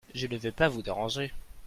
Je ne veux pas vous déranger.